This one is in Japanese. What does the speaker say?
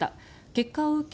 結果を受け